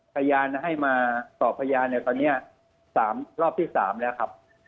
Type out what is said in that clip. พยานให้มาสอบพยานเนี่ยตอนนี้๓รอบที่๓แล้วครับ